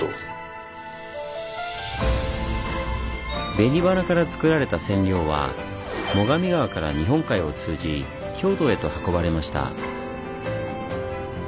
紅花から作られた染料は最上川から日本海を通じ京都へと運ばれました。